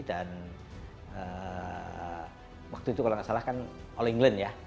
dan waktu itu kalau gak salah kan all england ya